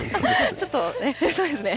ちょっとね、そうですね。